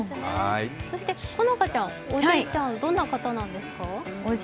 そして松田さん、おじいちゃんはどんな方なんですか？